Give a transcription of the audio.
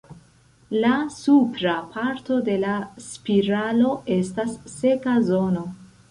La supra parto de la spiralo estas seka zono.